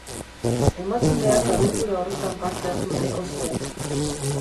Emakumeak abentura horretan parte hartu nahiko zuen.